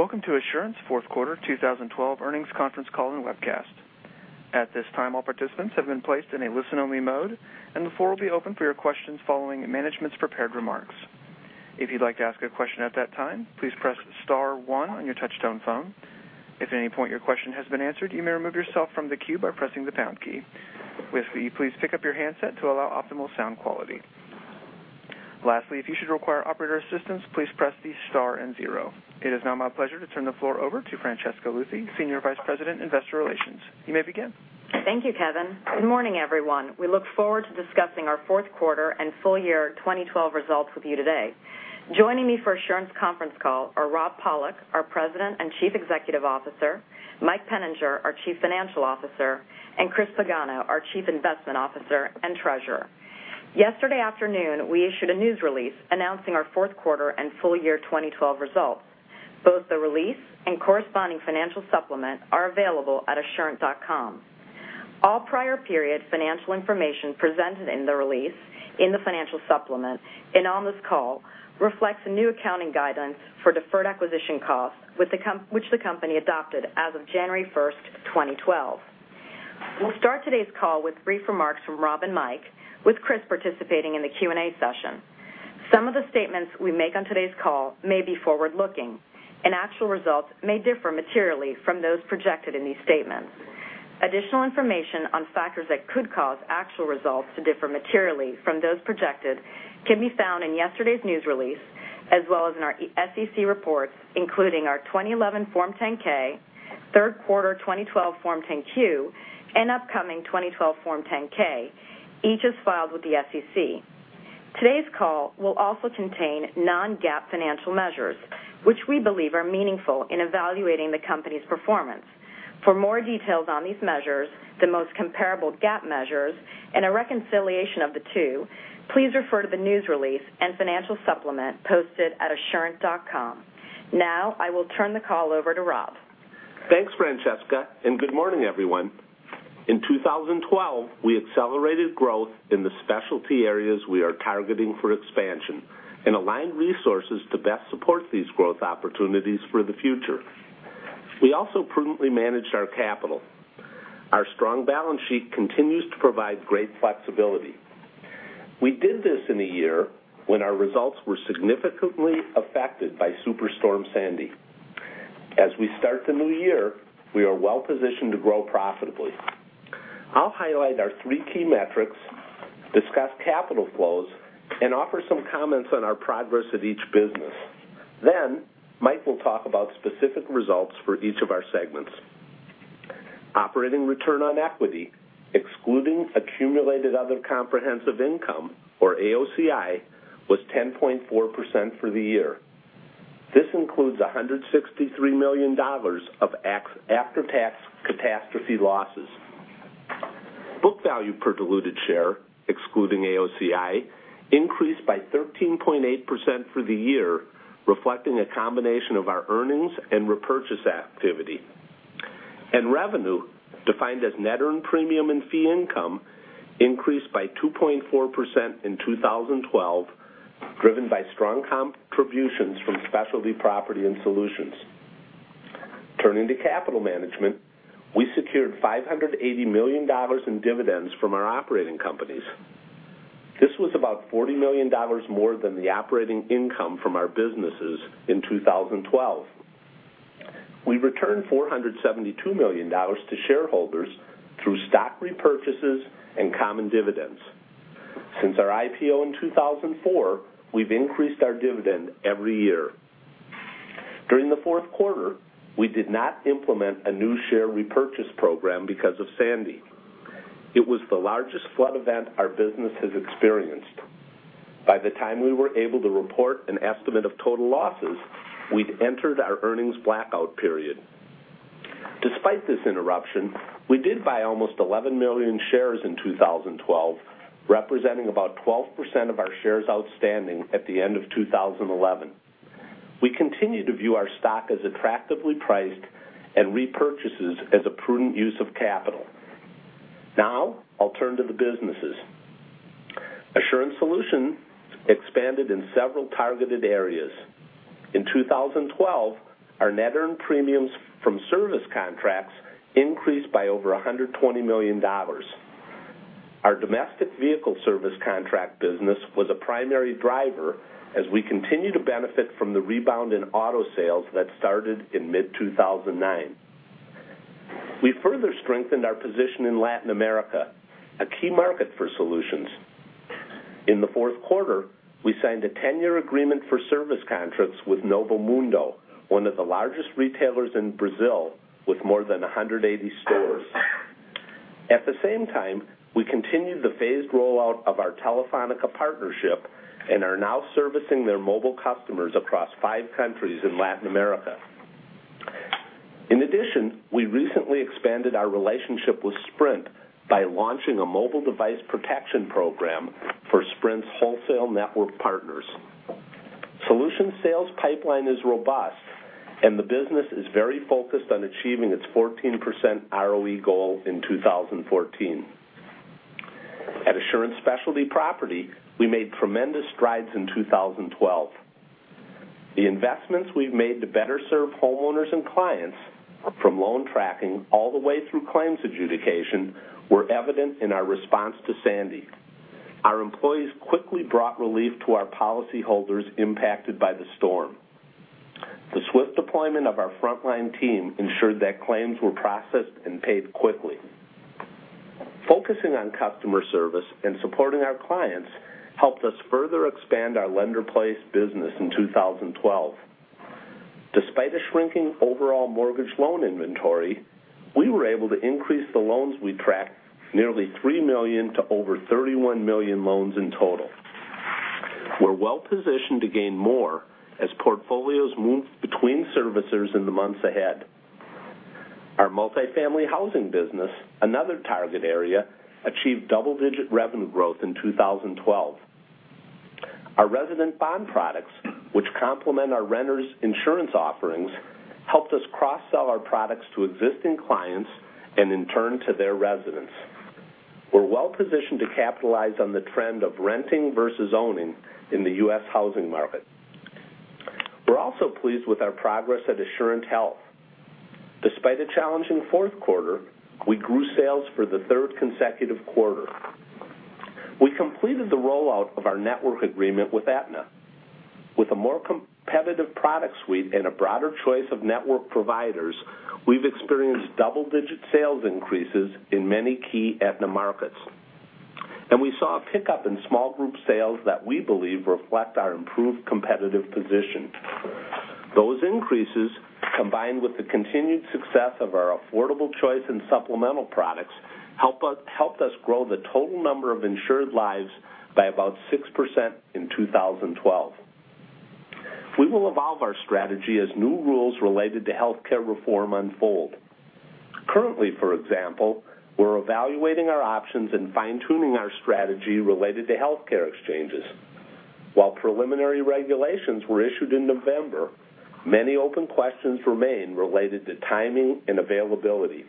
Welcome to Assurant's fourth quarter 2012 earnings conference call and webcast. At this time, all participants have been placed in a listen-only mode, and the floor will be open for your questions following management's prepared remarks. If you'd like to ask a question at that time, please press star one on your touch-tone phone. If at any point your question has been answered, you may remove yourself from the queue by pressing the pound key. We ask that you please pick up your handset to allow optimal sound quality. Lastly, if you should require operator assistance, please press the star and zero. It is now my pleasure to turn the floor over to Francesca Luthi, Senior Vice President, Investor Relations. You may begin. Thank you, Kevin. Good morning, everyone. We look forward to discussing our fourth quarter and full year 2012 results with you today. Joining me for Assurant's conference call are Rob Pollock, our President and Chief Executive Officer, Mike Peninger, our Chief Financial Officer, and Chris Pagano, our Chief Investment Officer and Treasurer. Yesterday afternoon, we issued a news release announcing our fourth quarter and full year 2012 results. Both the release and corresponding financial supplement are available at assurant.com. All prior period financial information presented in the release, in the financial supplement, and on this call reflects the new accounting guidance for deferred acquisition costs, which the company adopted as of January 1st, 2012. We'll start today's call with brief remarks from Rob and Mike, with Chris participating in the Q&A session. Some of the statements we make on today's call may be forward-looking, and actual results may differ materially from those projected in these statements. Additional information on factors that could cause actual results to differ materially from those projected can be found in yesterday's news release, as well as in our SEC reports, including our 2011 Form 10-K, third quarter 2012 Form 10-Q, and upcoming 2012 Form 10-K, each as filed with the SEC. Today's call will also contain non-GAAP financial measures, which we believe are meaningful in evaluating the company's performance. For more details on these measures, the most comparable GAAP measures, and a reconciliation of the two, please refer to the news release and financial supplement posted at assurant.com. I will turn the call over to Rob. Thanks, Francesca. Good morning, everyone. In 2012, we accelerated growth in the specialty areas we are targeting for expansion and aligned resources to best support these growth opportunities for the future. We also prudently managed our capital. Our strong balance sheet continues to provide great flexibility. We did this in a year when our results were significantly affected by Superstorm Sandy. As we start the new year, we are well positioned to grow profitably. I'll highlight our three key metrics, discuss capital flows, and offer some comments on our progress at each business. Mike will talk about specific results for each of our segments. Operating return on equity, excluding accumulated other comprehensive income, or AOCI, was 10.4% for the year. This includes $163 million of after-tax catastrophe losses. Book value per diluted share, excluding AOCI, increased by 13.8% for the year, reflecting a combination of our earnings and repurchase activity. Revenue, defined as net earned premium and fee income, increased by 2.4% in 2012, driven by strong contributions from Specialty Property and Solutions. Turning to capital management, we secured $580 million in dividends from our operating companies. This was about $40 million more than the operating income from our businesses in 2012. We returned $472 million to shareholders through stock repurchases and common dividends. Since our IPO in 2004, we've increased our dividend every year. During the fourth quarter, we did not implement a new share repurchase program because of Sandy. It was the largest flood event our business has experienced. By the time we were able to report an estimate of total losses, we'd entered our earnings blackout period. Despite this interruption, we did buy almost 11 million shares in 2012, representing about 12% of our shares outstanding at the end of 2011. We continue to view our stock as attractively priced and repurchases as a prudent use of capital. Now, I'll turn to the businesses. Assurant Solutions expanded in several targeted areas. In 2012, our net earned premiums from service contracts increased by over $120 million. Our domestic vehicle service contract business was a primary driver as we continue to benefit from the rebound in auto sales that started in mid-2009. We further strengthened our position in Latin America, a key market for Solutions. In the fourth quarter, we signed a 10-year agreement for service contracts with Novo Mundo, one of the largest retailers in Brazil, with more than 180 stores. At the same time, we continued the phased rollout of our Telefonica partnership and are now servicing their mobile customers across five countries in Latin America. In addition, we recently expanded our relationship with Sprint by launching a mobile device protection program for Sprint's wholesale network partners. Solutions' sales pipeline is robust, and the business is very focused on achieving its 14% ROE goal in 2014. At Assurant Specialty Property, we made tremendous strides in 2012. The investments we've made to better serve homeowners and clients from loan tracking all the way through claims adjudication were evident in our response to Sandy. Our employees quickly brought relief to our policyholders impacted by the storm. The swift deployment of our frontline team ensured that claims were processed and paid quickly. Focusing on customer service and supporting our clients helped us further expand our lender placed business in 2012. Despite a shrinking overall mortgage loan inventory, we were able to increase the loans we tracked nearly three million to over 31 million loans in total. We're well-positioned to gain more as portfolios move between servicers in the months ahead. Our multifamily housing business, another target area, achieved double-digit revenue growth in 2012. Our Resident Bond products, which complement our renters insurance offerings, helped us cross-sell our products to existing clients and in turn to their residents. We're well positioned to capitalize on the trend of renting versus owning in the U.S. housing market. We're also pleased with our progress at Assurant Health. Despite a challenging fourth quarter, we grew sales for the third consecutive quarter. We completed the rollout of our network agreement with Aetna. With a more competitive product suite and a broader choice of network providers, we've experienced double-digit sales increases in many key Aetna markets. We saw a pickup in small group sales that we believe reflect our improved competitive position. Those increases, combined with the continued success of our Affordable Choice and supplemental products, helped us grow the total number of insured lives by about 6% in 2012. We will evolve our strategy as new rules related to healthcare reform unfold. Currently, for example, we're evaluating our options and fine-tuning our strategy related to healthcare exchanges. While preliminary regulations were issued in November, many open questions remain related to timing and availability.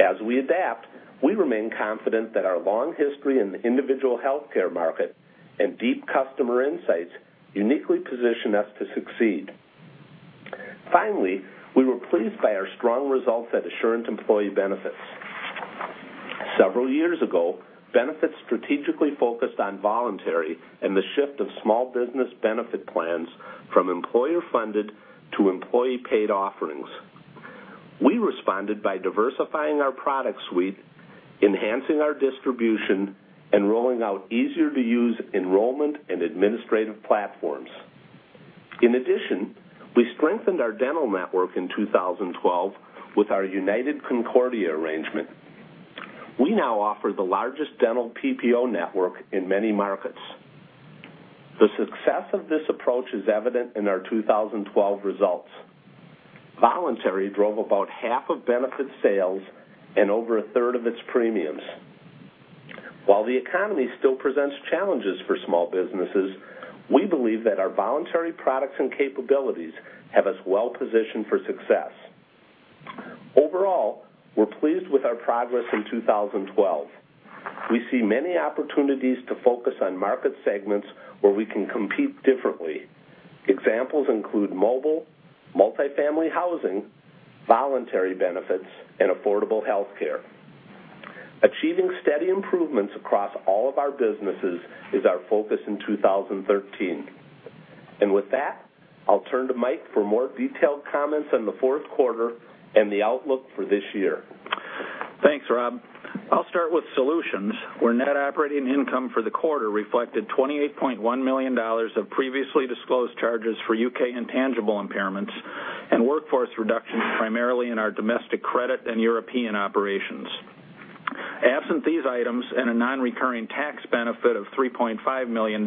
As we adapt, we remain confident that our long history in the individual healthcare market and deep customer insights uniquely position us to succeed. Finally, we were pleased by our strong results at Assurant Employee Benefits. Several years ago, benefits strategically focused on voluntary and the shift of small business benefit plans from employer funded to employee paid offerings. We responded by diversifying our product suite, enhancing our distribution, and rolling out easier to use enrollment and administrative platforms. In addition, we strengthened our dental network in 2012 with our United Concordia arrangement. We now offer the largest dental PPO network in many markets. The success of this approach is evident in our 2012 results. Voluntary drove about half of benefit sales and over a third of its premiums. While the economy still presents challenges for small businesses, we believe that our voluntary products and capabilities have us well positioned for success. Overall, we're pleased with our progress in 2012. We see many opportunities to focus on market segments where we can compete differently. Examples include mobile, multifamily housing, voluntary benefits, and affordable healthcare. Achieving steady improvements across all of our businesses is our focus in 2013. With that, I'll turn to Mike for more detailed comments on the fourth quarter and the outlook for this year. Thanks, Rob. I'll start with Solutions, where net operating income for the quarter reflected $28.1 million of previously disclosed charges for U.K. intangible impairments and workforce reductions primarily in our domestic credit and European operations. Absent these items and a non-recurring tax benefit of $3.5 million,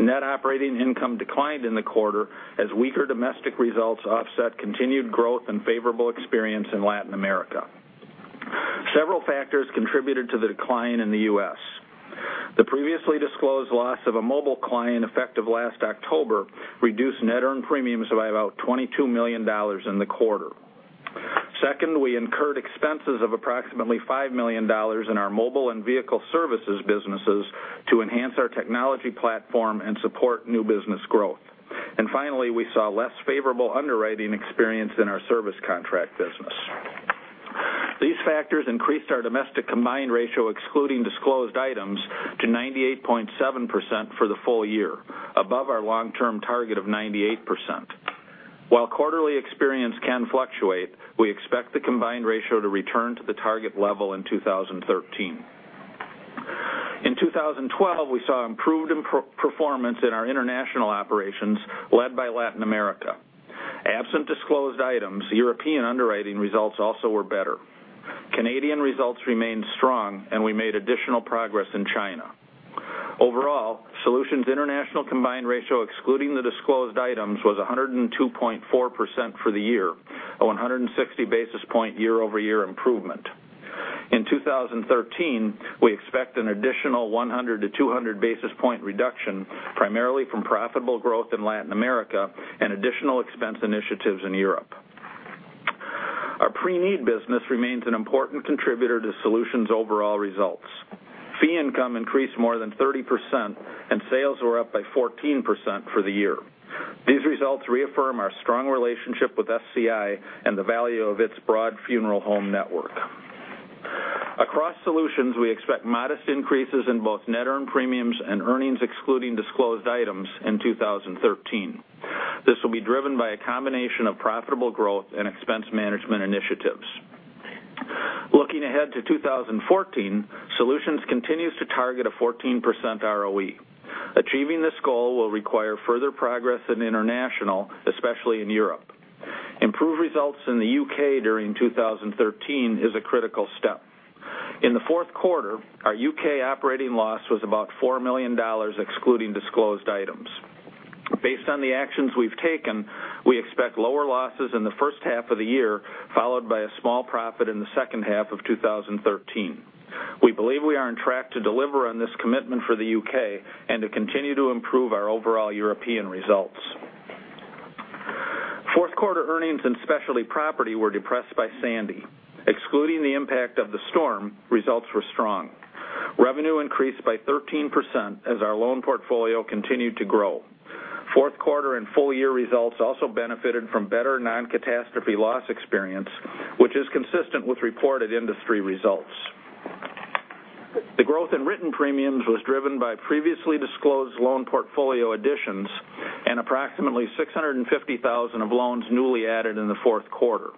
net operating income declined in the quarter as weaker domestic results offset continued growth and favorable experience in Latin America. Several factors contributed to the decline in the U.S. The previously disclosed loss of a mobile client effective last October reduced net earned premiums by about $22 million in the quarter. Second, we incurred expenses of approximately $5 million in our mobile and vehicle services businesses to enhance our technology platform and support new business growth. Finally, we saw less favorable underwriting experience in our service contract business. These factors increased our domestic combined ratio excluding disclosed items to 98.7% for the full year, above our long-term target of 98%. While quarterly experience can fluctuate, we expect the combined ratio to return to the target level in 2013. In 2012, we saw improved performance in our international operations led by Latin America. Absent disclosed items, European underwriting results also were better. Canadian results remained strong and we made additional progress in China. Overall, Solutions International combined ratio excluding the disclosed items was 102.4% for the year, a 160 basis point year-over-year improvement. In 2013, we expect an additional 100 to 200 basis point reduction primarily from profitable growth in Latin America and additional expense initiatives in Europe. Our pre-need business remains an important contributor to Solutions' overall results. Fee income increased more than 30%, and sales were up by 14% for the year. These results reaffirm our strong relationship with SCI and the value of its broad funeral home network. Across Solutions, we expect modest increases in both net earned premiums and earnings excluding disclosed items in 2013. This will be driven by a combination of profitable growth and expense management initiatives. Looking ahead to 2014, Solutions continues to target a 14% ROE. Achieving this goal will require further progress in international, especially in Europe. Improved results in the U.K. during 2013 is a critical step. In the fourth quarter, our U.K. operating loss was about $4 million, excluding disclosed items. Based on the actions we've taken, we expect lower losses in the first half of the year, followed by a small profit in the second half of 2013. We believe we are on track to deliver on this commitment for the U.K. and to continue to improve our overall European results. Fourth quarter earnings and Specialty Property were depressed by Sandy. Excluding the impact of the storm, results were strong. Revenue increased by 13% as our loan portfolio continued to grow. Fourth quarter and full-year results also benefited from better non-catastrophe loss experience, which is consistent with reported industry results. The growth in written premiums was driven by previously disclosed loan portfolio additions and approximately 650,000 of loans newly added in the fourth quarter.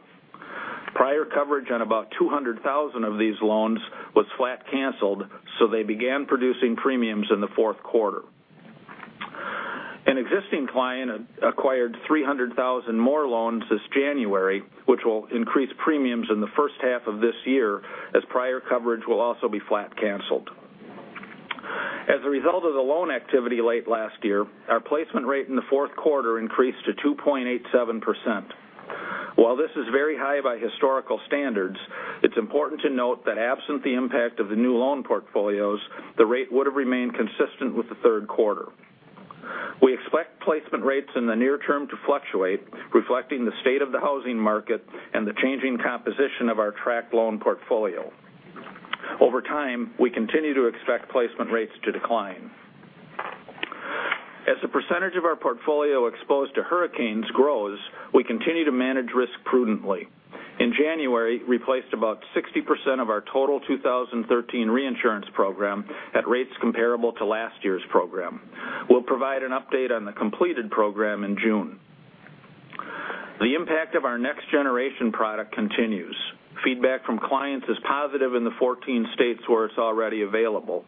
Prior coverage on about 200,000 of these loans was flat canceled, so they began producing premiums in the fourth quarter. An existing client acquired 300,000 more loans this January, which will increase premiums in the first half of this year, as prior coverage will also be flat canceled. As a result of the loan activity late last year, our placement rate in the fourth quarter increased to 2.87%. While this is very high by historical standards, it's important to note that absent the impact of the new loan portfolios, the rate would have remained consistent with the third quarter. We expect placement rates in the near term to fluctuate, reflecting the state of the housing market and the changing composition of our tracked loan portfolio. Over time, we continue to expect placement rates to decline. As a percentage of our portfolio exposed to hurricanes grows, we continue to manage risk prudently. In January, we placed about 60% of our total 2013 reinsurance program at rates comparable to last year's program. We'll provide an update on the completed program in June. The impact of our next generation product continues. Feedback from clients is positive in the 14 states where it's already available.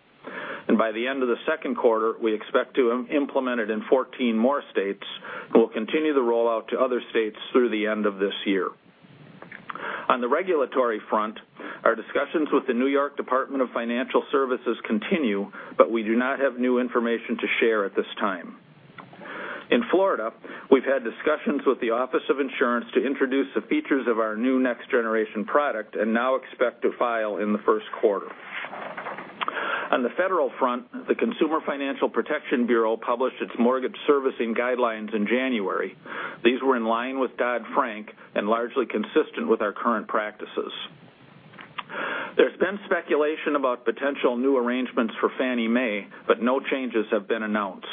By the end of the second quarter, we expect to implement it in 14 more states and we'll continue the rollout to other states through the end of this year. On the regulatory front, our discussions with the New York State Department of Financial Services continue. We do not have new information to share at this time. In Florida, we've had discussions with the Office of Insurance Regulation to introduce the features of our new next generation product and now expect to file in the first quarter. On the federal front, the Consumer Financial Protection Bureau published its mortgage servicing guidelines in January. These were in line with Dodd-Frank and largely consistent with our current practices. There's been speculation about potential new arrangements for Fannie Mae. No changes have been announced.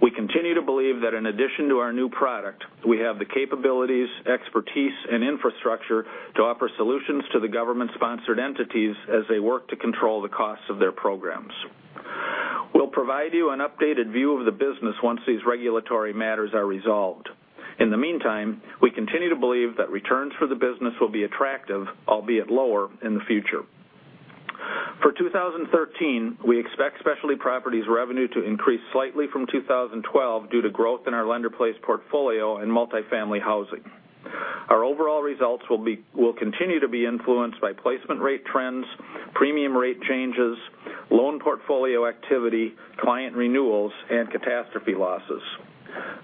We continue to believe that in addition to our new product, we have the capabilities, expertise, and infrastructure to offer solutions to the Government-Sponsored Entities as they work to control the costs of their programs. We'll provide you an updated view of the business once these regulatory matters are resolved. In the meantime, we continue to believe that returns for the business will be attractive, albeit lower, in the future. For 2013, we expect Specialty Properties revenue to increase slightly from 2012 due to growth in our lender-placed portfolio and multifamily housing. Our overall results will continue to be influenced by placement rate trends, premium rate changes, loan portfolio activity, client renewals, and catastrophe losses.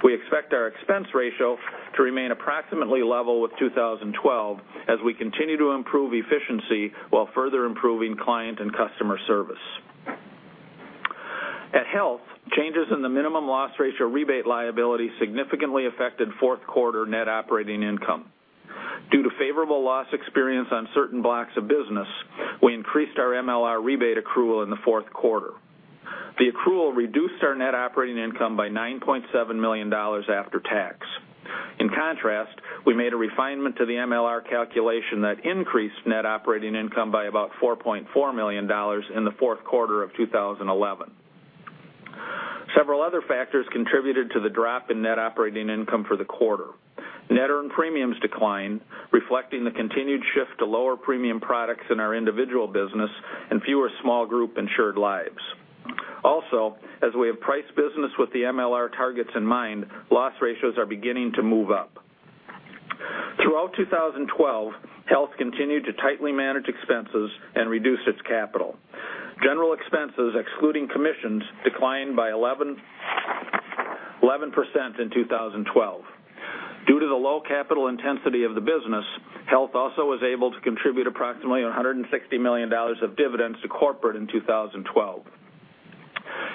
We expect our expense ratio to remain approximately level with 2012 as we continue to improve efficiency while further improving client and customer service. At Health, changes in the minimum loss ratio rebate liability significantly affected fourth quarter net operating income. Due to favorable loss experience on certain blocks of business, we increased our MLR rebate accrual in the fourth quarter. The accrual reduced our net operating income by $9.7 million after tax. In contrast, we made a refinement to the MLR calculation that increased net operating income by about $4.4 million in the fourth quarter of 2011. Several other factors contributed to the drop in net operating income for the quarter. Net earned premiums declined, reflecting the continued shift to lower premium products in our individual business and fewer small group insured lives. As we have priced business with the MLR targets in mind, loss ratios are beginning to move up. Throughout 2012, Health continued to tightly manage expenses and reduce its capital. General expenses excluding commissions declined by 11% in 2012. Due to the low capital intensity of the business, Health also was able to contribute approximately $160 million of dividends to corporate in 2012.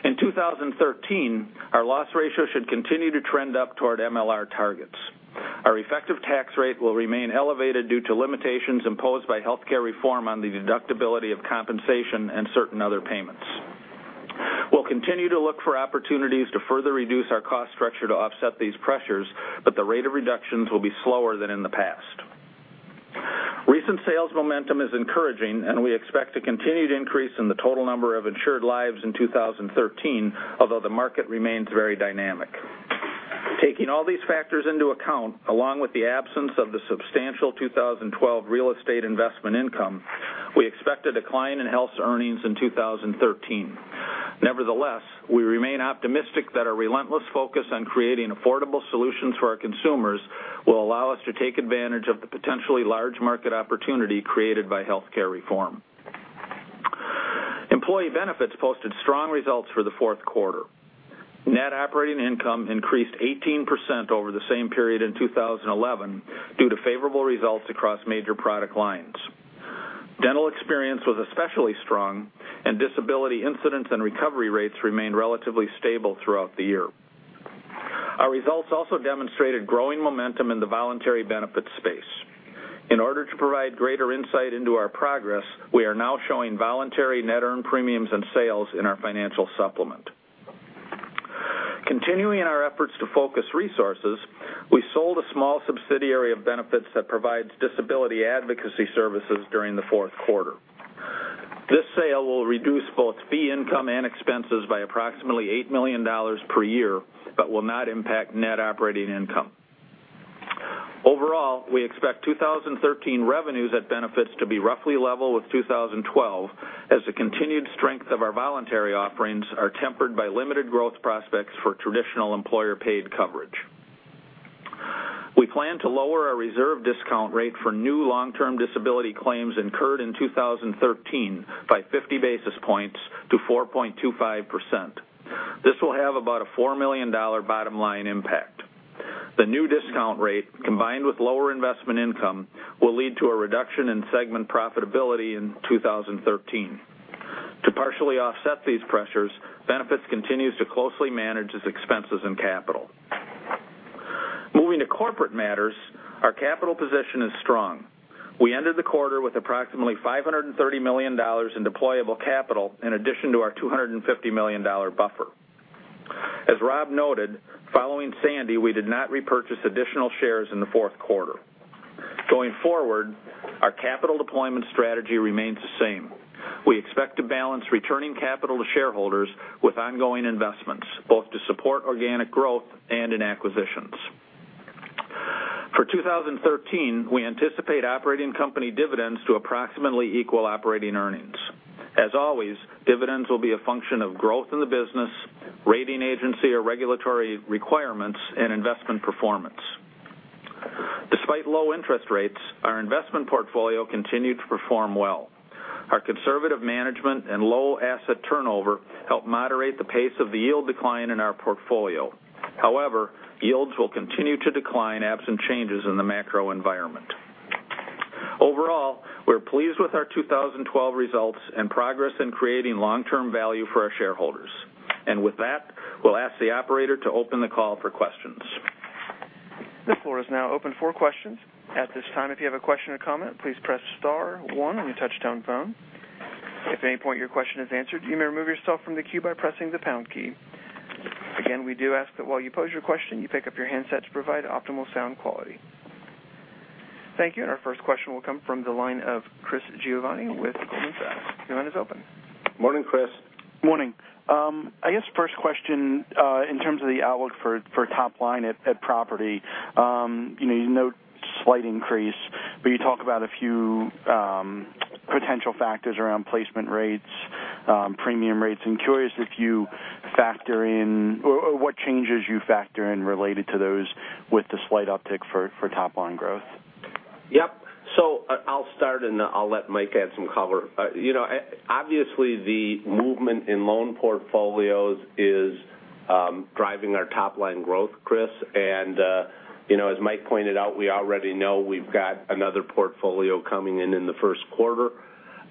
In 2013, our loss ratio should continue to trend up toward MLR targets. Our effective tax rate will remain elevated due to limitations imposed by healthcare reform on the deductibility of compensation and certain other payments. We'll continue to look for opportunities to further reduce our cost structure to offset these pressures. The rate of reductions will be slower than in the past. Recent sales momentum is encouraging. We expect a continued increase in the total number of insured lives in 2013, although the market remains very dynamic. Taking all these factors into account, along with the absence of the substantial 2012 real estate investment income, we expect a decline in Health's earnings in 2013. Nevertheless, we remain optimistic that our relentless focus on creating affordable solutions for our consumers will allow us to take advantage of the potentially large market opportunity created by healthcare reform. Employee benefits posted strong results for the fourth quarter. Net operating income increased 18% over the same period in 2011 due to favorable results across major product lines. Dental experience was especially strong, and disability incidents and recovery rates remained relatively stable throughout the year. Our results also demonstrated growing momentum in the voluntary benefits space. In order to provide greater insight into our progress, we are now showing voluntary net earned premiums and sales in our financial supplement. Continuing our efforts to focus resources, we sold a small subsidiary of benefits that provides disability advocacy services during the fourth quarter. This sale will reduce both fee income and expenses by approximately $8 million per year, but will not impact net operating income. Overall, we expect 2013 revenues at benefits to be roughly level with 2012, as the continued strength of our voluntary offerings are tempered by limited growth prospects for traditional employer-paid coverage. We plan to lower our reserve discount rate for new long-term disability claims incurred in 2013 by 50 basis points to 4.25%. This will have about a $4 million bottom-line impact. The new discount rate, combined with lower investment income, will lead to a reduction in segment profitability in 2013. To partially offset these pressures, benefits continues to closely manage its expenses and capital. Moving to corporate matters, our capital position is strong. We ended the quarter with approximately $530 million in deployable capital in addition to our $250 million buffer. As Rob noted, following Sandy, we did not repurchase additional shares in the fourth quarter. Going forward, our capital deployment strategy remains the same. We expect to balance returning capital to shareholders with ongoing investments, both to support organic growth and in acquisitions. For 2013, we anticipate operating company dividends to approximately equal operating earnings. As always, dividends will be a function of growth in the business, rating agency or regulatory requirements, and investment performance. Despite low interest rates, our investment portfolio continued to perform well. Our conservative management and low asset turnover helped moderate the pace of the yield decline in our portfolio. However, yields will continue to decline absent changes in the macro environment. Overall, we're pleased with our 2012 results and progress in creating long-term value for our shareholders. With that, we'll ask the operator to open the call for questions. The floor is now open for questions. At this time, if you have a question or comment, please press star one on your touch-tone phone. If at any point your question is answered, you may remove yourself from the queue by pressing the pound key. Again, we do ask that while you pose your question, you pick up your handset to provide optimal sound quality. Thank you. Our first question will come from the line of Christopher Giovanni with Goldman Sachs. Your line is open. Morning, Chris. Morning. First question, in terms of the outlook for top-line at Property. You note slight increase, but you talk about a few potential factors around placement rates, premium rates. I'm curious if you factor in or what changes you factor in related to those with the slight uptick for top-line growth? Yep. I'll start, and I'll let Mike add some color. Obviously, the movement in loan portfolios is driving our top-line growth, Chris, and as Mike pointed out, we already know we've got another portfolio coming in in the first quarter.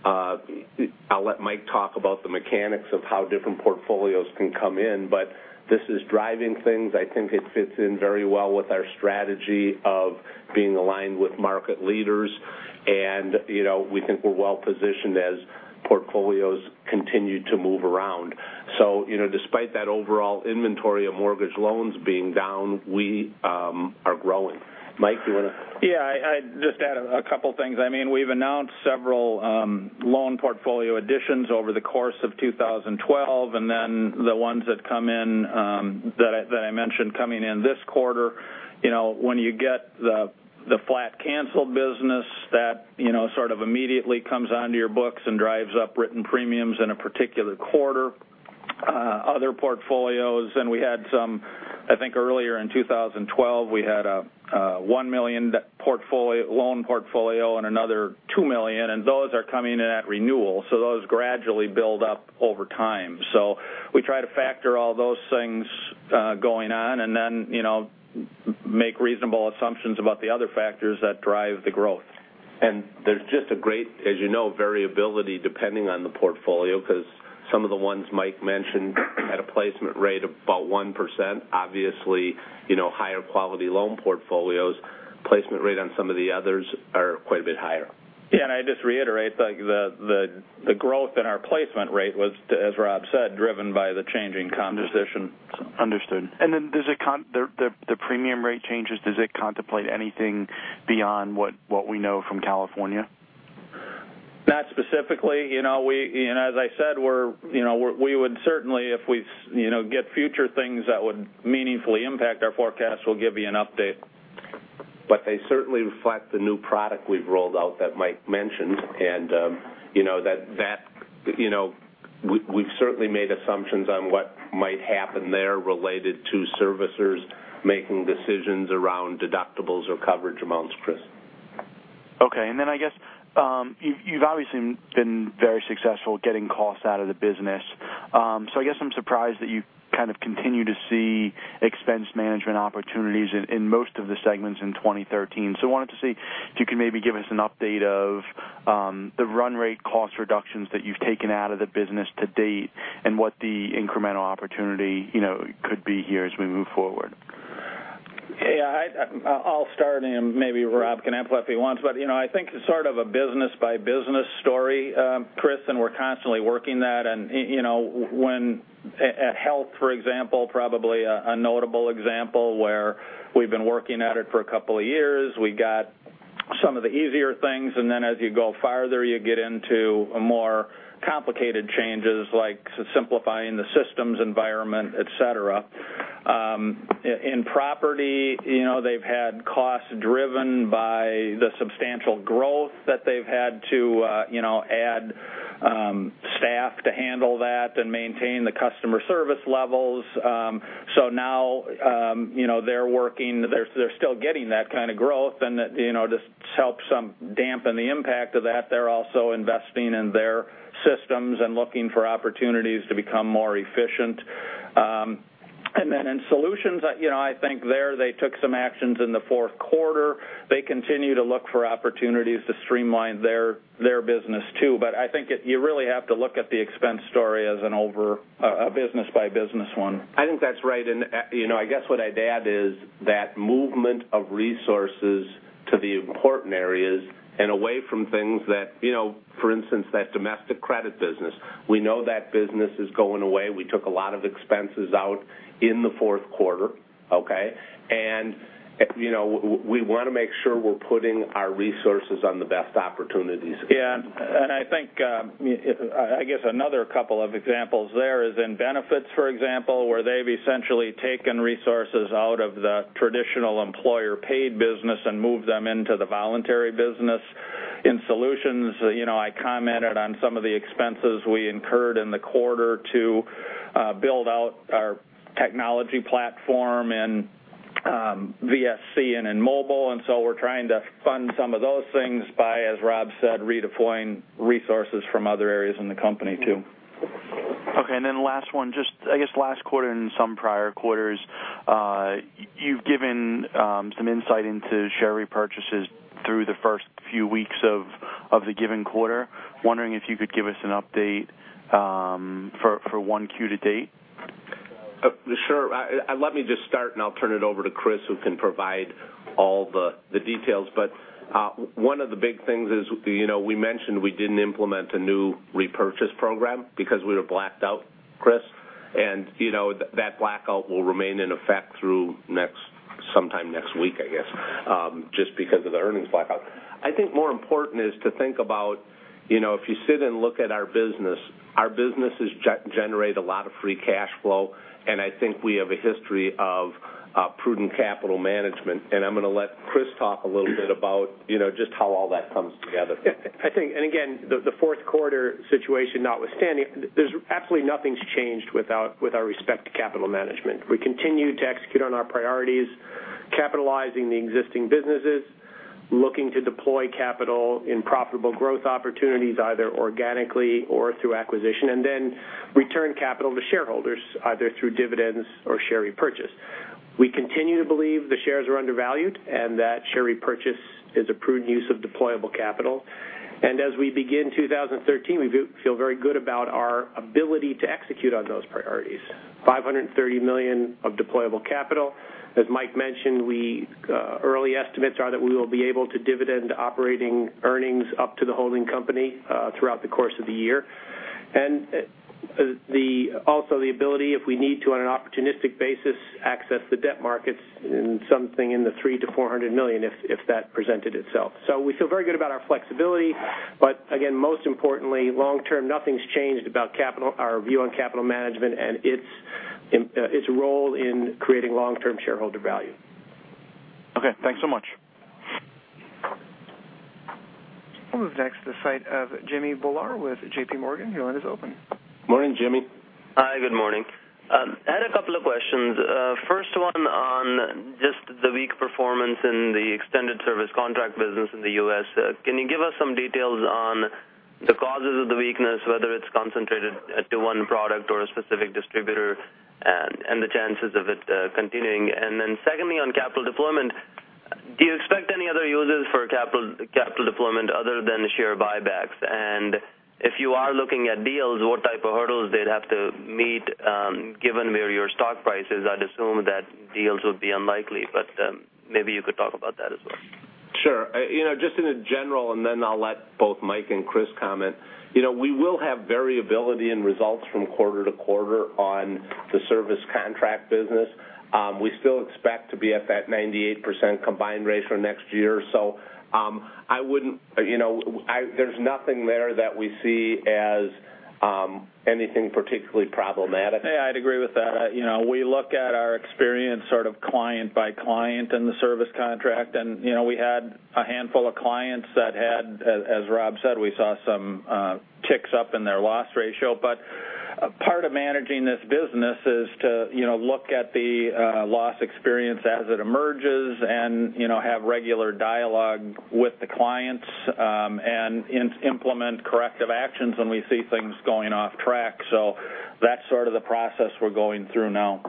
I'll let Mike talk about the mechanics of how different portfolios can come in, but this is driving things. I think it fits in very well with our strategy of being aligned with market leaders. We think we're well positioned as portfolios continue to move around. Despite that overall inventory of mortgage loans being down, we are growing. Mike, do you want to? I'd just add a couple of things. We've announced several loan portfolio additions over the course of 2012, and then the ones that I mentioned coming in this quarter. When you get the flat cancel business, that sort of immediately comes onto your books and drives up written premiums in a particular quarter. Other portfolios, and we had some, I think, earlier in 2012, we had a 1 million loan portfolio and another 2 million, and those are coming in at renewal. Those gradually build up over time. We try to factor all those things going on and then make reasonable assumptions about the other factors that drive the growth. There's just a great, as you know, variability depending on the portfolio, because some of the ones Mike mentioned had a placement rate about 1%. Obviously, higher quality loan portfolios placement rate on some of the others are quite a bit higher. I just reiterate the growth in our placement rate was, as Rob said, driven by the changing composition. Understood. The premium rate changes, does it contemplate anything beyond what we know from California? Not specifically. As I said, we would certainly, if we get future things that would meaningfully impact our forecast, we'll give you an update. They certainly reflect the new product we've rolled out that Mike mentioned, and we've certainly made assumptions on what might happen there related to servicers making decisions around deductibles or coverage amounts, Chris. I guess, you've obviously been very successful getting costs out of the business. I guess I'm surprised that you kind of continue to see expense management opportunities in most of the segments in 2013. I wanted to see if you could maybe give us an update of the run rate cost reductions that you've taken out of the business to date and what the incremental opportunity could be here as we move forward. I'll start, and maybe Rob can amplify if he wants, but I think it's sort of a business-by-business story, Chris, we're constantly working that. When at Assurant Health, for example, probably a notable example where we've been working at it for a couple of years, we got some of the easier things, then as you go farther, you get into more complicated changes like simplifying the systems environment, et cetera. In Assurant Specialty Property, they've had costs driven by the substantial growth that they've had to add staff to handle that and maintain the customer service levels. Now they're still getting that kind of growth, and to help dampen the impact of that, they're also investing in their systems and looking for opportunities to become more efficient. In Assurant Solutions, I think there they took some actions in the fourth quarter. They continue to look for opportunities to streamline their business too. I think you really have to look at the expense story as a business-by-business one. I think that's right. I guess what I'd add is that movement of resources to the important areas and away from things that, for instance, that domestic credit business. We know that business is going away. We took a lot of expenses out in the fourth quarter, okay? We want to make sure we're putting our resources on the best opportunities. I think, I guess another couple of examples there is in Assurant Employee Benefits, for example, where they've essentially taken resources out of the traditional employer-paid business and moved them into the voluntary business. In Assurant Solutions, I commented on some of the expenses we incurred in the quarter to build out our technology platform in VSC and in mobile. We're trying to fund some of those things by, as Rob said, redeploying resources from other areas in the company, too. Okay, last one. I guess last quarter and some prior quarters, you've given some insight into share repurchases through the first few weeks of the given quarter. Wondering if you could give us an update for 1Q to date. Sure. Let me just start. I'll turn it over to Chris, who can provide all the details. One of the big things is we mentioned we didn't implement a new repurchase program because we were blacked out, Chris. That blackout will remain in effect through sometime next week, I guess, just because of the earnings blackout. I think more important is to think about if you sit and look at our business, our businesses generate a lot of free cash flow. I think we have a history of prudent capital management. I'm going to let Chris talk a little bit about just how all that comes together. I think, again, the fourth quarter situation notwithstanding, absolutely nothing's changed with our respect to capital management. We continue to execute on our priorities, capitalizing the existing businesses, looking to deploy capital in profitable growth opportunities, either organically or through acquisition, then return capital to shareholders, either through dividends or share repurchase. We continue to believe the shares are undervalued and that share repurchase is a prudent use of deployable capital. As we begin 2013, we feel very good about our ability to execute on those priorities. $530 million of deployable capital. As Mike mentioned, early estimates are that we will be able to dividend operating earnings up to the holding company throughout the course of the year. Also the ability, if we need to on an opportunistic basis, access the debt markets in something in the $300 million-$400 million if that presented itself. We feel very good about our flexibility. Again, most importantly, long term, nothing's changed about our view on capital management and its role in creating long-term shareholder value. Okay. Thanks so much. We'll move next to the site of Jimmy Bhullar with J.P. Morgan. Your line is open. Morning, Jimmy. Hi, good morning. I had a couple of questions. First one on just the weak performance in the extended service contract business in the U.S. Can you give us some details on the causes of the weakness, whether it's concentrated to one product or a specific distributor, and the chances of it continuing. Then secondly, on capital deployment, do you expect any other uses for capital deployment other than share buybacks? If you are looking at deals, what type of hurdles they'd have to meet, given where your stock price is, I'd assume that deals would be unlikely. Maybe you could talk about that as well. Sure. Just in general, then I'll let both Mike and Chris comment. We will have variability in results from quarter to quarter on the service contract business. We still expect to be at that 98% combined ratio next year. There's nothing there that we see as anything particularly problematic. Yeah, I'd agree with that. We look at our experience sort of client by client in the service contract. We had a handful of clients that had, as Rob said, we saw some ticks up in their loss ratio. Part of managing this business is to look at the loss experience as it emerges and have regular dialogue with the clients and implement corrective actions when we see things going off track. That's sort of the process we're going through now.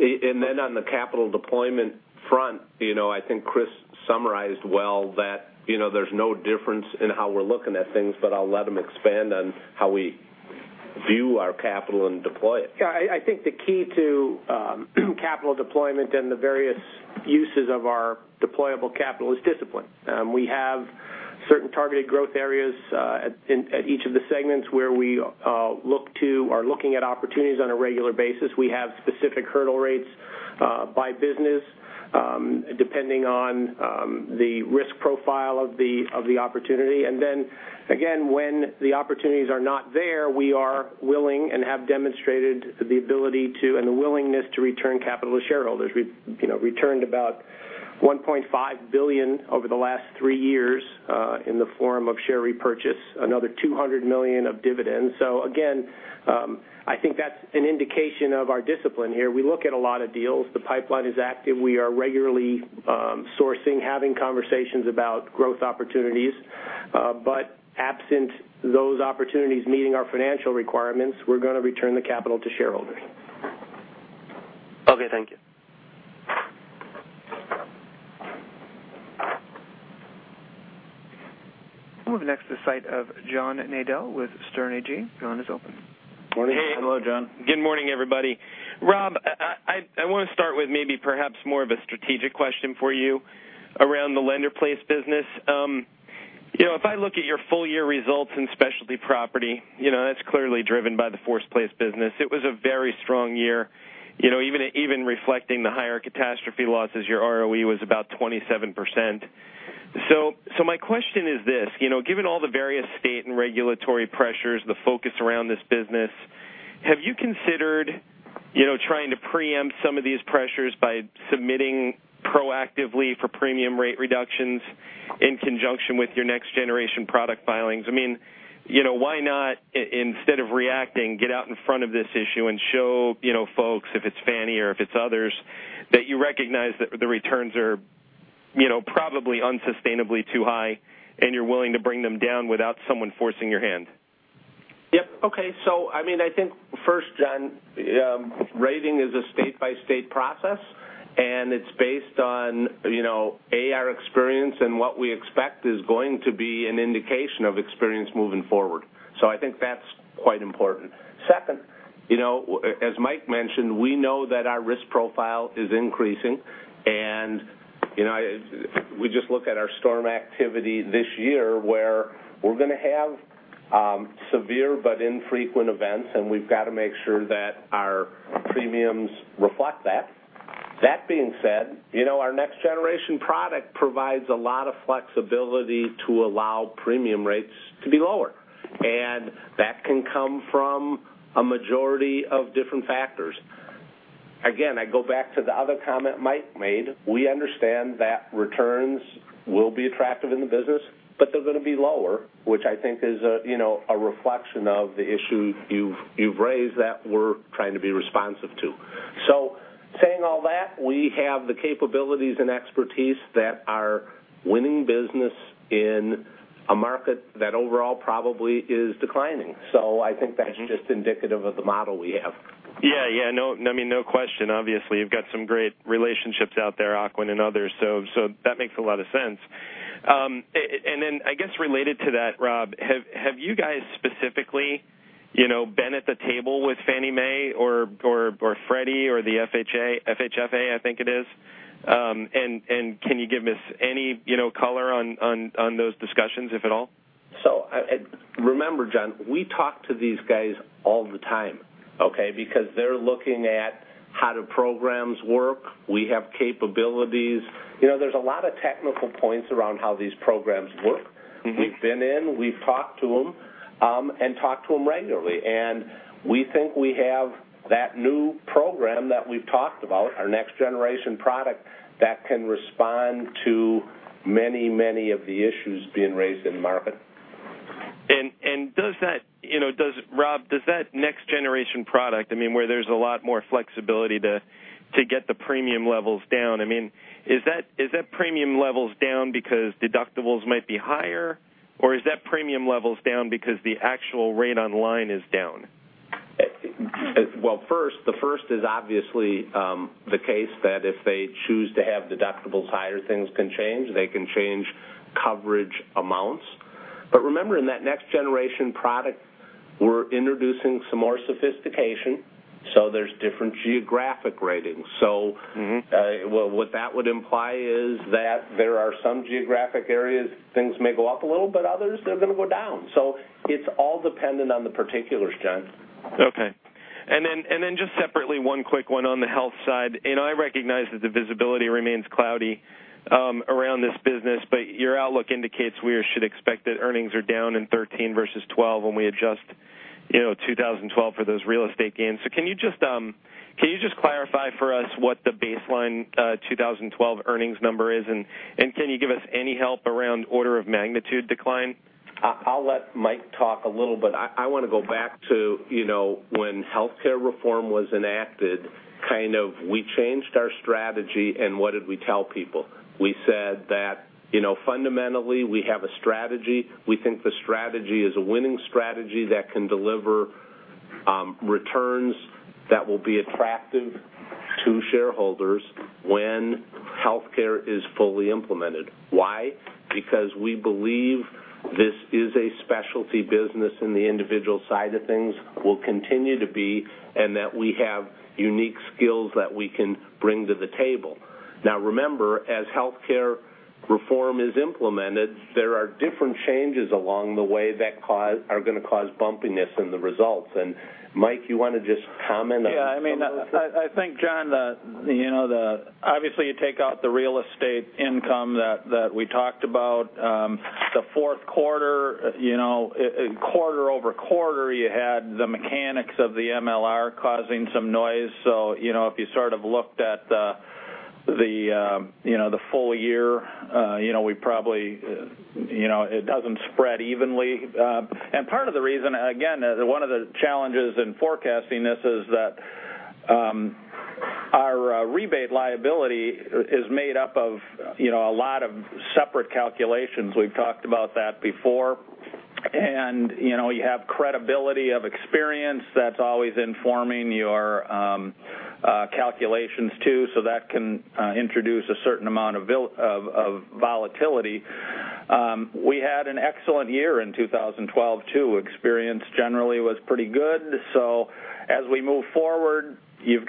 On the capital deployment front, I think Chris summarized well that there's no difference in how we're looking at things. I'll let him expand on how we view our capital and deploy it. Yeah, I think the key to capital deployment and the various uses of our deployable capital is discipline. We have certain targeted growth areas at each of the segments where we are looking at opportunities on a regular basis. We have specific hurdle rates by business, depending on the risk profile of the opportunity. Again, when the opportunities are not there, we are willing and have demonstrated the ability to, and the willingness to return capital to shareholders. We've returned about $1.5 billion over the last three years in the form of share repurchase, another $200 million of dividends. Again, I think that's an indication of our discipline here. We look at a lot of deals. The pipeline is active. We are regularly sourcing, having conversations about growth opportunities. Absent those opportunities meeting our financial requirements, we're going to return the capital to shareholders. Okay, thank you. Moving next to the side of John Nadel with Sterne Agee. John is open. Morning. Hello, John. Good morning, everybody. Rob, I want to start with maybe perhaps more of a strategic question for you around the lender-placed business. If I look at your full-year results in Specialty Property, that's clearly driven by the force-placed business. It was a very strong year. Even reflecting the higher catastrophe losses, your ROE was about 27%. My question is this: given all the various state and regulatory pressures, the focus around this business, have you considered trying to preempt some of these pressures by submitting proactively for premium rate reductions in conjunction with your next-generation product filings? Why not, instead of reacting, get out in front of this issue and show folks, if it's Fannie or if it's others, that you recognize that the returns are probably unsustainably too high, and you're willing to bring them down without someone forcing your hand? Yep. Okay. I think first, John, rating is a state-by-state process, and it's based on, A, our experience and what we expect is going to be an indication of experience moving forward. I think that's quite important. Second, as Mike mentioned, we know that our risk profile is increasing, and we just look at our storm activity this year, where we're going to have severe but infrequent events, and we've got to make sure that our premiums reflect that. That being said, our next-generation product provides a lot of flexibility to allow premium rates to be lower, and that can come from a majority of different factors. Again, I go back to the other comment Mike made. We understand that returns will be attractive in the business, but they're going to be lower, which I think is a reflection of the issue you've raised that we're trying to be responsive to. Saying all that, we have the capabilities and expertise that are winning business in a market that overall probably is declining. I think that's just indicative of the model we have. Yeah. No question. Obviously, you've got some great relationships out there, Ocwen and others, so that makes a lot of sense. I guess related to that, Rob, have you guys specifically been at the table with Fannie Mae or Freddie or the FHA? FHFA, I think it is. Can you give us any color on those discussions, if at all? Remember, John, we talk to these guys all the time, okay? Because they're looking at how do programs work. We have capabilities. There's a lot of technical points around how these programs work. We've been in, we've talked to them, talk to them regularly. We think we have that new program that we've talked about, our next generation product, that can respond to many of the issues being raised in the market. Rob, does that next generation product, where there's a lot more flexibility to get the premium levels down. Is that premium levels down because deductibles might be higher? Or is that premium levels down because the actual rate online is down? Well, the first is obviously the case that if they choose to have deductibles higher, things can change. They can change coverage amounts. Remember, in that next generation product, we're introducing some more sophistication, so there's different geographic ratings. What that would imply is that there are some geographic areas things may go up a little, but others, they're going to go down. It's all dependent on the particulars, John. Okay. Just separately, one quick one on the Health side. I recognize that the visibility remains cloudy around this business. Your outlook indicates we should expect that earnings are down in 2013 versus 2012 when we adjust 2012 for those real estate gains. Can you just clarify for us what the baseline 2012 earnings number is, and can you give us any help around order of magnitude decline? I will let Mike talk a little. I want to go back to when healthcare reform was enacted, we changed our strategy, and what did we tell people? We said that fundamentally, we have a strategy. We think the strategy is a winning strategy that can deliver returns that will be attractive to shareholders when healthcare is fully implemented. Why? Because we believe this is a specialty business in the individual side of things, will continue to be, and that we have unique skills that we can bring to the table. Remember, as healthcare reform is implemented, there are different changes along the way that are going to cause bumpiness in the results. Mike, you want to just comment on that a little? Yeah. I think, John, obviously, you take out the real estate income that we talked about. The fourth quarter-over-quarter, you had the mechanics of the MLR causing some noise. If you looked at the full year, it does not spread evenly. Part of the reason, again, one of the challenges in forecasting this is that our rebate liability is made up of a lot of separate calculations. We have talked about that before. You have credibility of experience that is always informing your calculations, too, so that can introduce a certain amount of volatility. We had an excellent year in 2012, too. Experience generally was pretty good. As we move forward, you have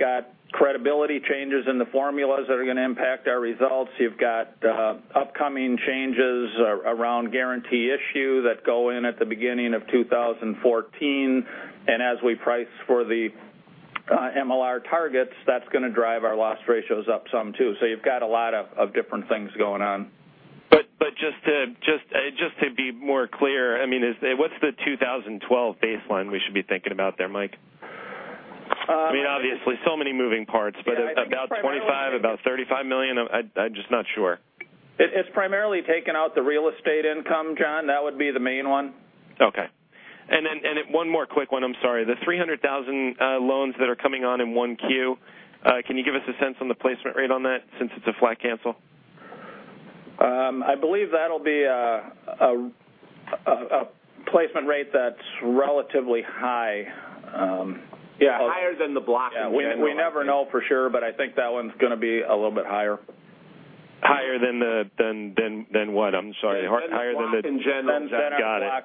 credibility changes in the formulas that are going to impact our results. You have upcoming changes around guarantee issue that go in at the beginning of 2014. As we price for the MLR targets, that is going to drive our loss ratios up some, too. You have a lot of different things going on. Just to be more clear, what's the 2012 baseline we should be thinking about there, Mike? Obviously, so many moving parts, but. Yeah. I think primarily. About $25 million, about $35 million? I'm just not sure. It's primarily taking out the real estate income, John. That would be the main one. Okay. One more quick one. I'm sorry. The 300,000 loans that are coming on in 1Q, can you give us a sense on the placement rate on that since it's a flat cancel? I believe that'll be a placement rate that's relatively high. Yeah, higher than the block in general. We never know for sure, I think that one's going to be a little bit higher. Higher than what? I'm sorry. Higher than the. Than the block in general. Got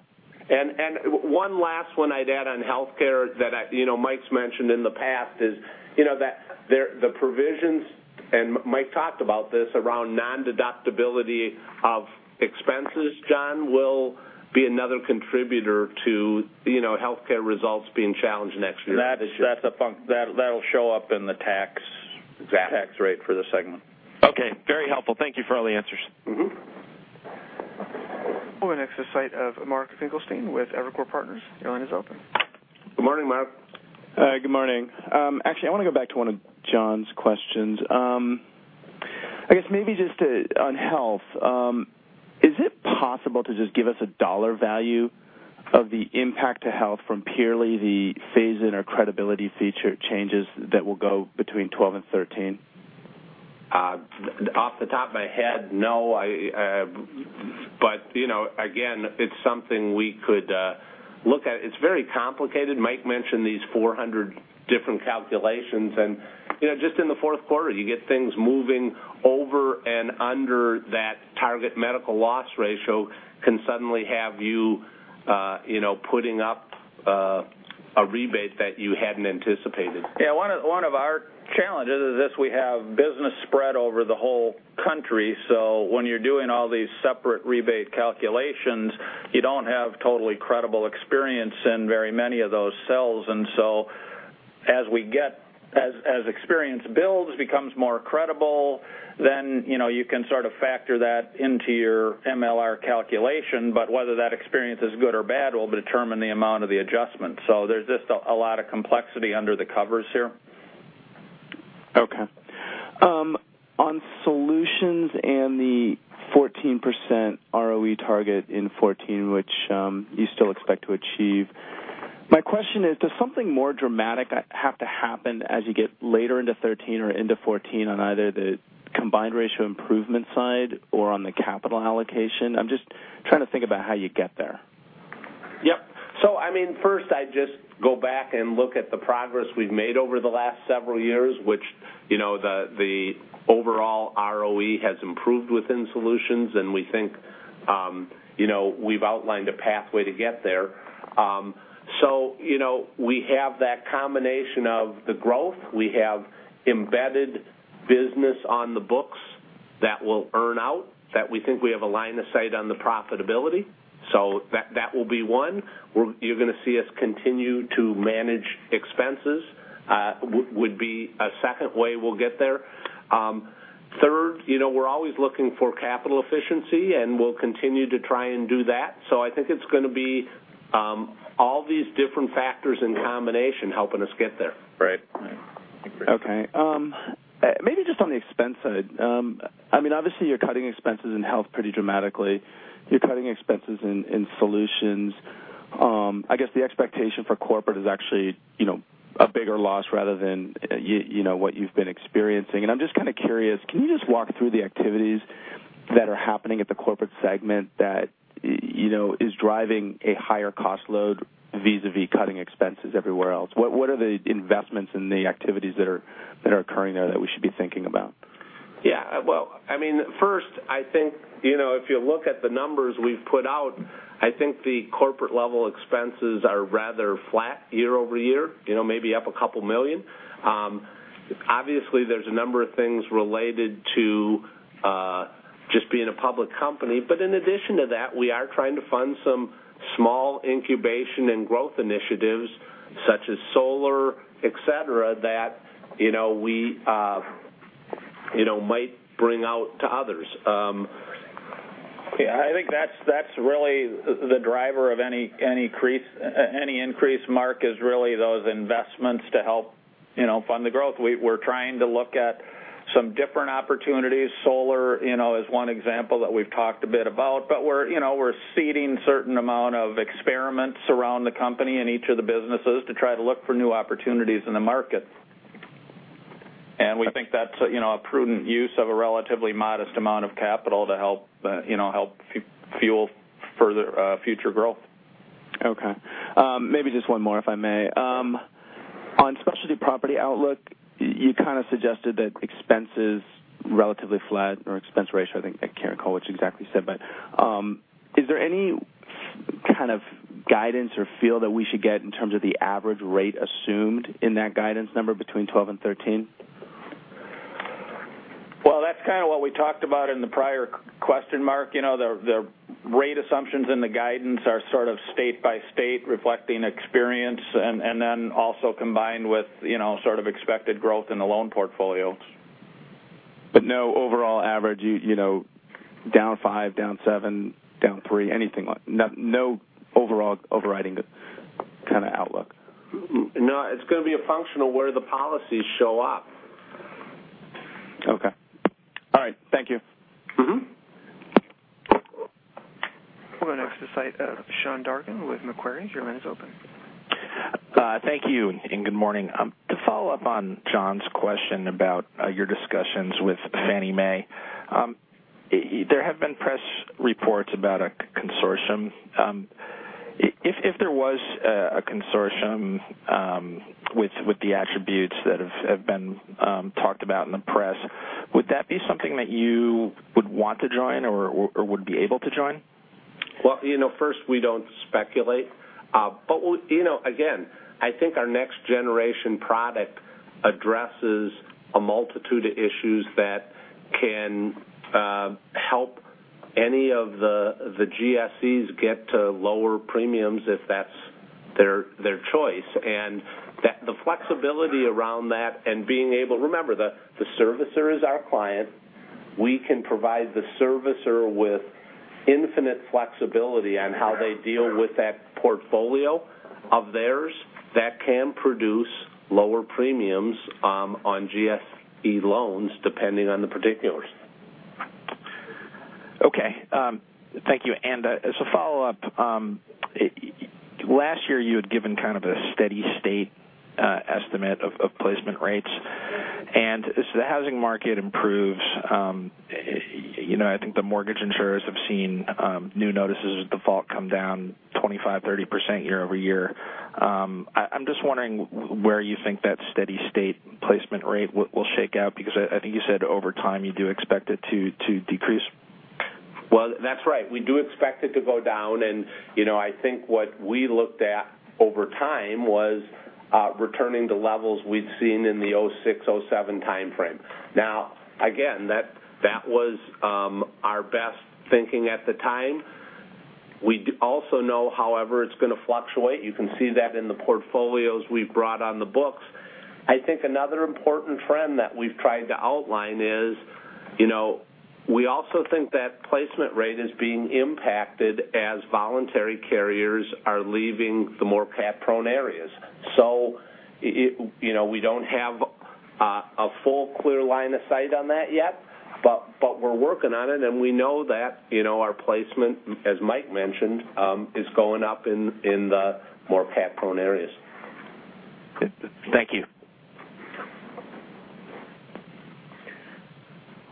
it. One last one I'd add on healthcare that Mike's mentioned in the past is that the provisions, and Mike talked about this, around non-deductibility of expenses, John, will be another contributor to healthcare results being challenged next year. That'll show up in the tax- Exactly tax rate for the segment. Okay. Very helpful. Thank you for all the answers. We'll go next to the site of Mark Finkelstein with Evercore Partners. Your line is open. Good morning, Mark. Good morning. Actually, I want to go back to one of John's questions. I guess maybe just on health. Is it possible to just give us a dollar value of the impact to health from purely the phase in our credibility feature changes that will go between 2012 and 2013? Off the top of my head, no. Again, it's something we could look at. It's very complicated. Mike mentioned these 400 different calculations, and just in the fourth quarter, you get things moving over and under that target medical loss ratio can suddenly have you putting up a rebate that you hadn't anticipated. Yeah, one of our challenges is this, we have business spread over the whole country. When you're doing all these separate rebate calculations, you don't have totally credible experience in very many of those cells. As experience builds, becomes more credible, then you can sort of factor that into your MLR calculation. Whether that experience is good or bad will determine the amount of the adjustment. There's just a lot of complexity under the covers here. Okay. On Solutions, the 14% ROE target in 2014, which you still expect to achieve. My question is, does something more dramatic have to happen as you get later into 2013 or into 2014 on either the combined ratio improvement side or on the capital allocation? I am just trying to think about how you get there. Yep. First, I would just go back and look at the progress we have made over the last several years, which the overall ROE has improved within Solutions, and we think we have outlined a pathway to get there. We have that combination of the growth. We have embedded business on the books that will earn out, that we think we have a line of sight on the profitability. That will be one. You are going to see us continue to manage expenses, would be a second way we will get there. Third, we are always looking for capital efficiency, and we will continue to try and do that. I think it is going to be all these different factors in combination helping us get there. Right. Okay. Maybe just on the expense side. Obviously, you are cutting expenses in Health pretty dramatically. You are cutting expenses in Solutions. I guess the expectation for corporate is actually a bigger loss rather than what you have been experiencing, and I am just kind of curious, can you just walk through the activities that are happening at the corporate segment that is driving a higher cost load vis-a-vis cutting expenses everywhere else? What are the investments and the activities that are occurring there that we should be thinking about? Yeah. First, if you look at the numbers we have put out, I think the corporate level expenses are rather flat year-over-year, maybe up a couple million. Obviously, there is a number of things related to just being a public company. In addition to that, we are trying to fund some small incubation and growth initiatives such as Solar, et cetera, that we might bring out to others. I think that is really the driver of any increase, Mark, is really those investments to help fund the growth. We are trying to look at some different opportunities. Solar is one example that we have talked a bit about, but we are seeding certain amount of experiments around the company in each of the businesses to try to look for new opportunities in the market. We think that's a prudent use of a relatively modest amount of capital to help fuel further future growth. Okay. Maybe just one more, if I may. On Specialty Property outlook, you kind of suggested that expenses relatively flat or expense ratio, I think. I can't recall what you exactly said, but is there any kind of guidance or feel that we should get in terms of the average rate assumed in that guidance number between 2012 and 2013? Well, that's kind of what we talked about in the prior question, Mark. The rate assumptions in the guidance are sort of state by state, reflecting experience, and then also combined with sort of expected growth in the loan portfolio. No overall average, down five, down seven, down three, anything like that? No overall overriding kind of outlook? No, it's going to be a function of where the policies show up. Okay. All right. Thank you. We'll go next to the site of Sean Dargan with Macquarie. Your line is open. Thank you. Good morning. To follow up on John's question about your discussions with Fannie Mae. There have been press reports about a consortium. If there was a consortium with the attributes that have been talked about in the press, would that be something that you would want to join or would be able to join? Well, first, we don't speculate. Again, I think our next generation product addresses a multitude of issues that can help any of the GSEs get to lower premiums if that's their choice, and the flexibility around that. Remember, the servicer is our client. We can provide the servicer with infinite flexibility on how they deal with that portfolio of theirs that can produce lower premiums on GSE loans, depending on the particulars. Okay. Thank you. As a follow-up, last year you had given kind of a steady state estimate of placement rates, and as the housing market improves, I think the mortgage insurers have seen new notices of default come down 25%, 30% year-over-year. I'm just wondering where you think that steady state placement rate will shake out, because I think you said over time you do expect it to decrease. Well, that's right. We do expect it to go down. I think what we looked at over time was returning to levels we'd seen in the 2006, 2007 timeframe. Again, that was our best thinking at the time. We also know, however, it's going to fluctuate. You can see that in the portfolios we've brought on the books. I think another important trend that we've tried to outline is we also think that placement rate is being impacted as voluntary carriers are leaving the more cat-prone areas. We don't have a full clear line of sight on that yet, but we're working on it and we know that our placement, as Mike mentioned, is going up in the more cat-prone areas. Thank you.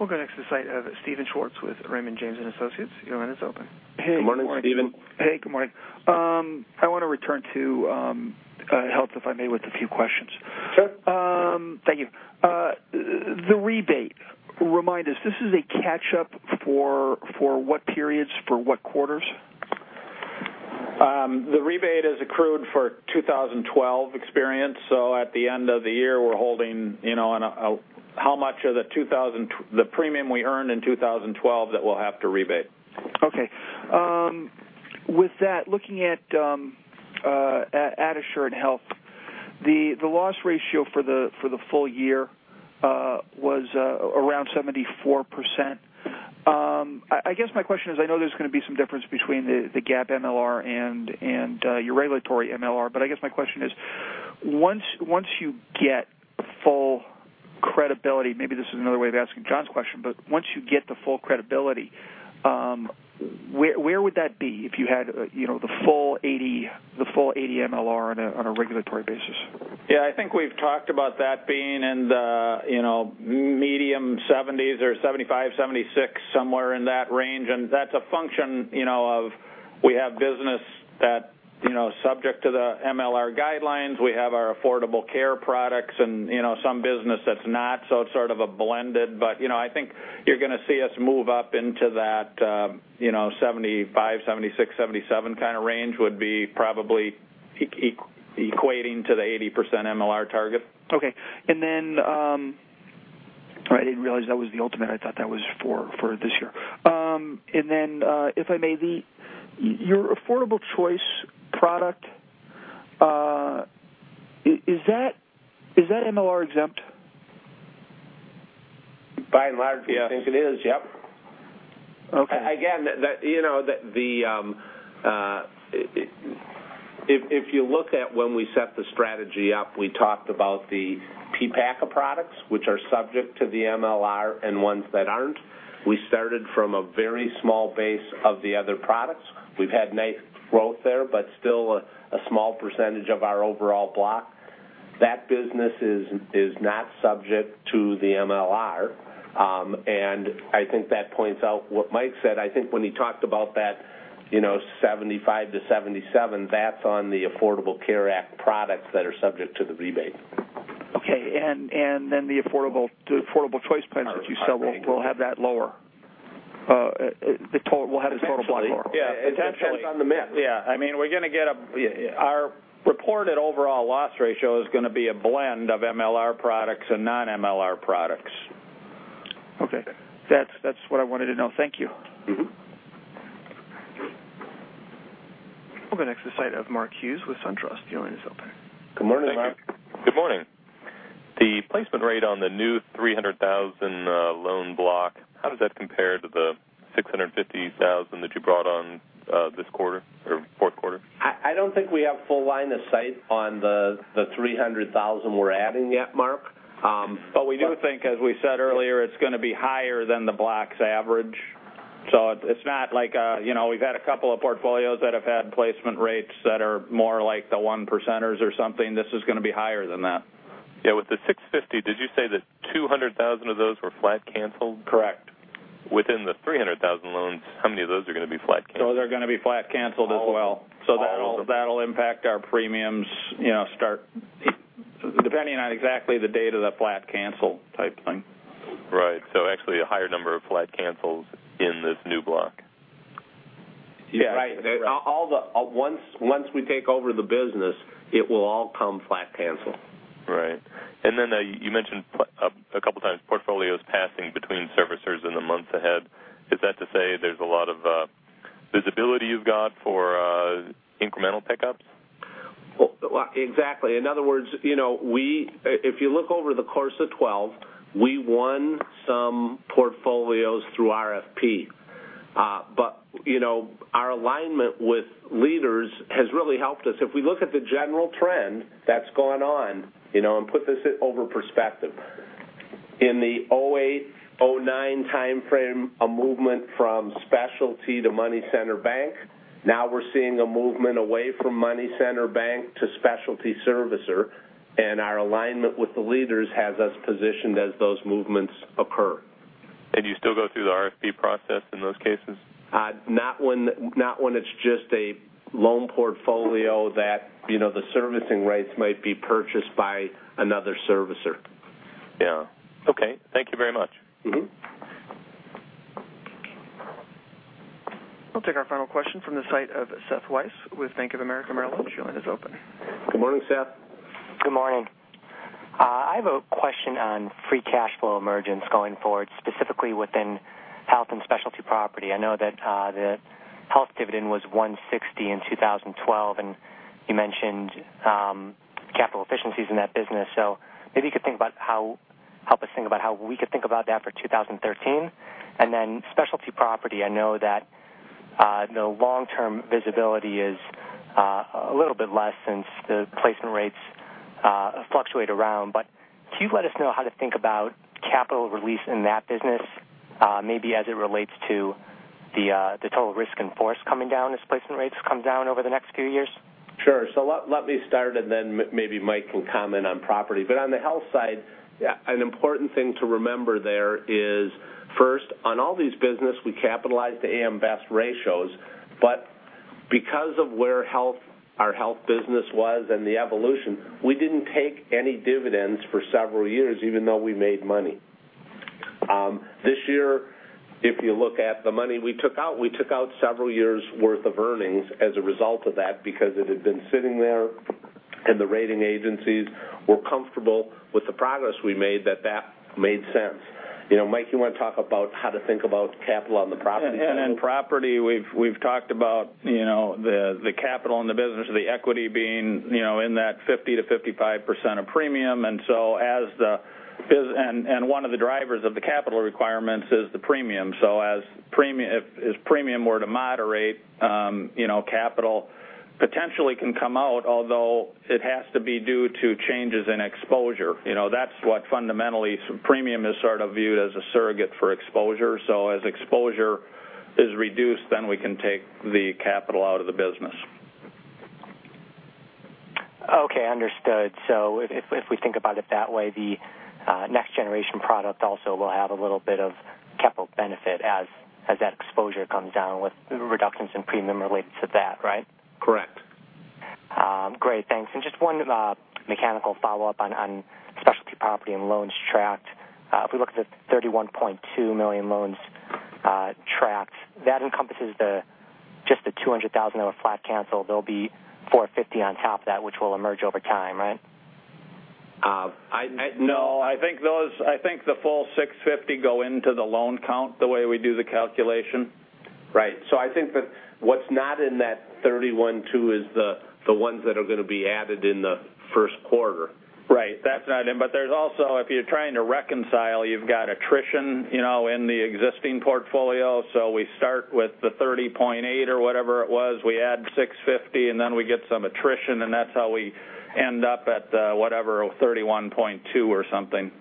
We'll go next to the line of Steven Schwartz with Raymond James & Associates. Your line is open. Good morning, Steven. Good morning. Hey, good morning. I want to return to Health, if I may, with a few questions. Sure. Thank you. The rebate, remind us, this is a catch-up for what periods, for what quarters? The rebate is accrued for 2012 experience. At the end of the year, we're holding how much of the premium we earned in 2012 that we'll have to rebate. Okay. With that, looking at Assurant Health, the loss ratio for the full year was around 74%. I guess my question is, I know there's going to be some difference between the GAAP MLR and your regulatory MLR, but I guess my question is once you get full credibility, maybe this is another way of asking John's question, but once you get the full credibility, where would that be if you had the full 80% MLR on a regulatory basis? Yeah, I think we've talked about that being in the medium 70s or 75, 76, somewhere in that range. That's a function of we have business that, subject to the MLR guidelines, we have our affordable care products and some business that's not, so it's sort of a blended. I think you're going to see us move up into that 75, 76, 77 kind of range would be probably equating to the 80% MLR target. Okay. I didn't realize that was the ultimate. I thought that was for this year. Then, if I may, your Affordable Choice product, is that MLR exempt? By and large, yes. I think it is, yep. Okay. If you look at when we set the strategy up, we talked about the PPACA products, which are subject to the MLR and ones that aren't. We started from a very small base of the other products. We've had nice growth there, but still a small percentage of our overall block. That business is not subject to the MLR. I think that points out what Mike said, I think when he talked about that 75%-77%, that's on the Affordable Care Act products that are subject to the rebate. Okay. The Affordable Choice plans that you sell will have that lower. Potentially. Will have the total MLR. Potentially. It depends on the mix. Yeah. Our reported overall loss ratio is going to be a blend of MLR products and non-MLR products. Okay. That's what I wanted to know. Thank you. We'll go next to the site of Mark Hughes with SunTrust. Your line is open. Good morning, Mark. Thank you. Good morning. The placement rate on the new 300,000 loan block, how does that compare to the 650,000 that you brought on this quarter or fourth quarter? I don't think we have full line of sight on the 300,000 we're adding yet, Mark. We do think, as we said earlier, it's going to be higher than the block's average. It's not like we've had a couple of portfolios that have had placement rates that are more like the one percenters or something. This is going to be higher than that. Yeah. With the 650, did you say that 200,000 of those were flat canceled? Correct. Within the 300,000 loans, how many of those are going to be flat canceled? Those are going to be flat canceled as well. All of them. That'll impact our premiums start depending on exactly the date of the flat cancel type thing. Right. Actually a higher number of flat cancels in this new block. Yeah, right. Once we take over the business, it will all come flat cancel. Right. Then you mentioned a couple of times portfolios passing between servicers in the months ahead. Is that to say there's a lot of visibility you've got for incremental pickups? Exactly. In other words, if you look over the course of 2012, we won some portfolios through RFP. Our alignment with leaders has really helped us. If we look at the general trend that's gone on, and put this in perspective. In the 2008, 2009 timeframe, a movement from specialty to money center bank. We're seeing a movement away from money center bank to specialty servicer, our alignment with the leaders has us positioned as those movements occur. Do you still go through the RFP process in those cases? Not when it's just a loan portfolio that the servicing rights might be purchased by another servicer. Yeah. Okay. Thank you very much. We'll take our final question from the site of Seth Weiss with Bank of America Merrill Lynch. Your line is open. Good morning, Seth. Good morning. I have a question on free cash flow emergence going forward, specifically within health and specialty property. I know that the health dividend was $160 in 2012, and you mentioned capital efficiencies in that business. Maybe help us think about how we could think about that for 2013. Then specialty property, I know that the long-term visibility is a little bit less since the placement rates fluctuate around. Can you let us know how to think about capital release in that business, maybe as it relates to the total risk in force coming down as placement rates come down over the next few years? Let me start, and then maybe Mike can comment on property. On the health side, an important thing to remember there is, first, on all these business, we capitalize to AM Best ratios. Because of where our health business was and the evolution, we didn't take any dividends for several years, even though we made money. This year, if you look at the money we took out, we took out several years' worth of earnings as a result of that, because it had been sitting there, and the rating agencies were comfortable with the progress we made, that that made sense. Mike, you want to talk about how to think about capital on the property side? In property, we've talked about the capital in the business or the equity being in that 50%-55% of premium. One of the drivers of the capital requirements is the premium. If premium were to moderate, capital potentially can come out, although it has to be due to changes in exposure. That's what fundamentally, premium is sort of viewed as a surrogate for exposure. As exposure is reduced, then we can take the capital out of the business. Okay, understood. If we think about it that way, the next generation product also will have a little bit of capital benefit as that exposure comes down with reductions in premium related to that, right? Correct. Great, thanks. Just one mechanical follow-up on Specialty Property and loans tracked. If we look at the 31.2 million loans tracked, that encompasses just the 200,000 that were flat canceled. There'll be 450 on top of that, which will emerge over time, right? No, I think the full 650 go into the loan count the way we do the calculation. Right. I think that what's not in that 31.2 is the ones that are going to be added in the first quarter. Right. That's not in, but there's also, if you're trying to reconcile, you've got attrition in the existing portfolio. We start with the 30.8 or whatever it was. We add 650, and then we get some attrition, and that's how we end up at whatever, 31.2 or something.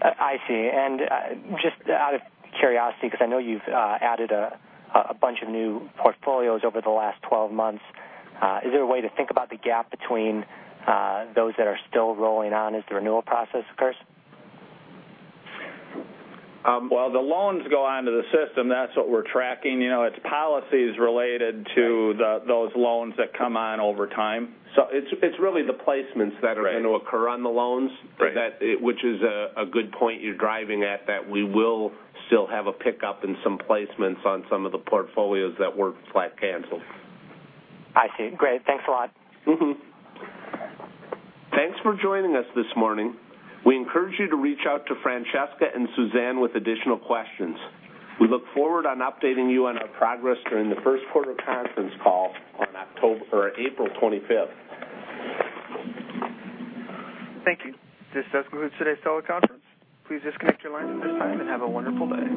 I see. Just out of curiosity, because I know you've added a bunch of new portfolios over the last 12 months, is there a way to think about the gap between those that are still rolling on as the renewal process occurs? Well, the loans go onto the system. That's what we're tracking. It's policies related to those loans that come on over time. It's really the placements that are going to occur on the loans. Right. Which is a good point you're driving at, that we will still have a pickup in some placements on some of the portfolios that were flat canceled. I see. Great. Thanks a lot. Thanks for joining us this morning. We encourage you to reach out to Francesca and Suzanne with additional questions. We look forward on updating you on our progress during the first quarter conference call on April 25th. Thank you. This does conclude today's teleconference. Please disconnect your lines at this time and have a wonderful day.